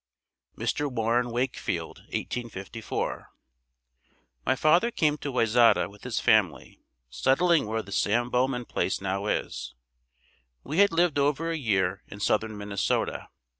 Mr. Warren Wakefield 1854. My father came to Wayzata with his family, settling where the Sam Bowman place now is. We had lived over a year in southern Minnesota.